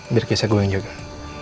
biar kisah gue yang jawabin